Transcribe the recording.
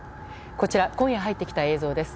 こちら今夜入ってきた映像です。